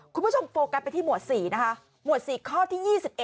โฟกัสไปที่หมวด๔นะคะหมวด๔ข้อที่๒๑